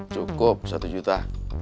cukup satu juta